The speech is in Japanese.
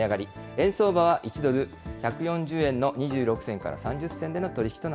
円相場は、１ドル１４０円の２６銭から３０銭での取り引